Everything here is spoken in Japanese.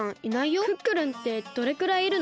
クックルンってどれくらいいるの？